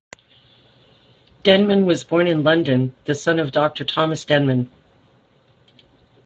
Denman was born in London, the son of Doctor Thomas Denman.